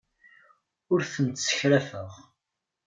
Ur tent-ssekrafeɣ.